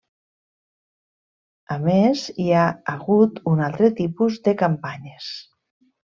A més, hi ha hagut un altre tipus de campanyes.